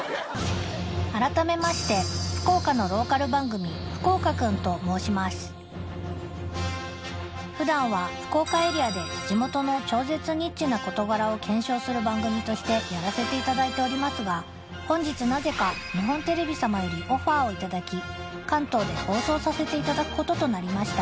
改めまして福岡のローカル番組「福岡くん。」と申しますふだんは福岡エリアで地元の超絶ニッチな事柄を検証する番組としてやらせていただいておりますが本日なぜか日本テレビ様よりオファーをいただき関東で放送させていただくこととなりました